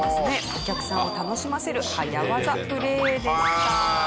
お客さんを楽しませる速ワザプレーでした。